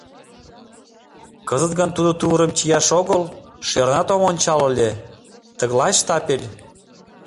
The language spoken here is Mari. Кызыт гын тудо тувырым чияш огыл, шӧрынат ом ончал ыле — тыглай штапель.